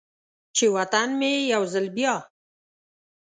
چې و طن مې یو ځل بیا،